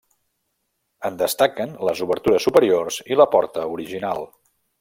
En destaquen les obertures superiors i la porta original.